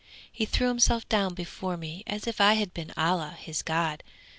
He threw himself down before me as if I had been Allah, his god.